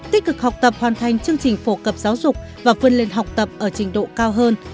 tích cực học tập hoàn thành chương trình phổ cập giáo dục và vươn lên học tập ở trình độ cao hơn